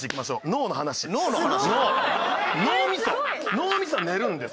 脳みそは寝るんですよ。